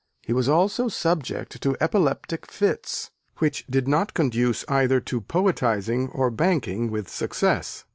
He was also subject to epileptic fits, which did not conduce either to poetizing or banking with success.